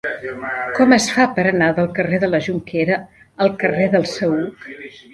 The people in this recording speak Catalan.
Com es fa per anar del carrer de la Jonquera al carrer del Saüc?